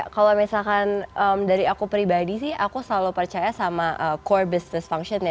kalau misalkan dari aku pribadi sih aku selalu percaya sama core business function ya